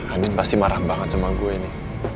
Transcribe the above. andin pasti marah banget sama gue ini